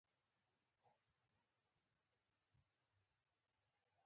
مس بارکلي: نو بوختیاوې به بیا ډېرې شي، اوس خو ټوله ورځ مچان جنګوو.